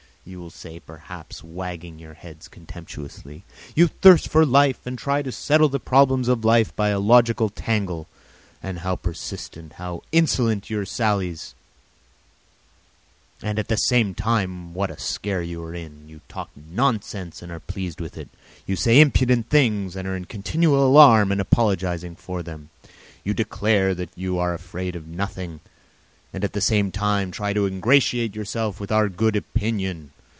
you will say, perhaps, wagging your heads contemptuously. "You thirst for life and try to settle the problems of life by a logical tangle. And how persistent, how insolent are your sallies, and at the same time what a scare you are in! You talk nonsense and are pleased with it; you say impudent things and are in continual alarm and apologising for them. You declare that you are afraid of nothing and at the same time try to ingratiate yourself in our good opinion.